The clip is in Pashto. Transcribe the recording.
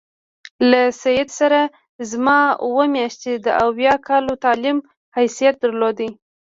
له سید سره زما اووه میاشتې د اویا کالو تعلیم حیثیت درلود.